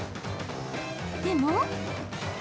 でも。